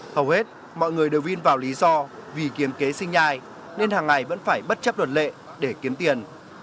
hầu hết mọi người đều viên vào lý do vì kiếm kế sinh nhai nên hàng ngày vẫn phải bất chấp luật lệ để kiếm tiền